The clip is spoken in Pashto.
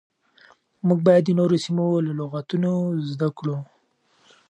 موږ بايد د نورو سيمو له لغتونو زده کړو.